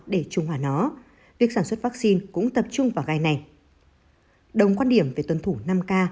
để trung hòa nó việc sản xuất vaccine cũng tập trung vào gai này đồng quan điểm về tuân thủ năm k